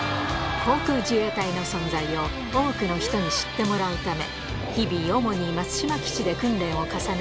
航空自衛隊の存在を多くの人に知ってもらうため日々主に松島基地で訓練を重ね